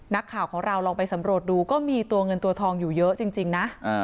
นักข่าวของเราลองไปสำรวจดูก็มีตัวเงินตัวทองอยู่เยอะจริงนะ